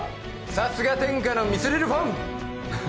さすが天下のミスリルフォン